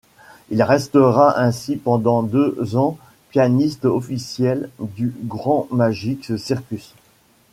Il restera ainsi pendant deux ans pianiste officiel du Grand Magic Circus.